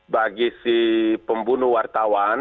bagi si pembunuh wartawan